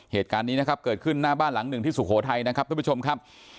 เหตุการณ์นี้นะครับเกิดขึ้นหน้าบ้านหลังหนึ่งที่สุโขทัยนะครับทุกผู้ชมครับ